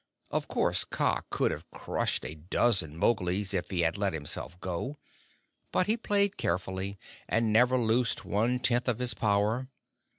Of course, Kaa could have crushed a dozen Mowglis if he had let himself go; but he played carefully, and never loosed one tenth of his power.